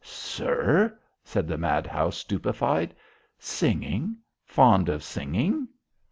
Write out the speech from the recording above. "Sir?" said the madhouse stupefied. "Singing fond of singing?"